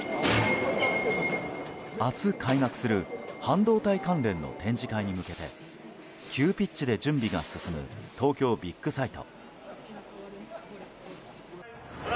明日開幕する半導体関連の展示会に向けて急ピッチで準備が進む東京ビッグサイト。